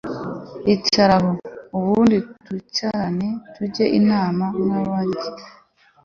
icara aho ubundi twicarane tujye inama nkabaryi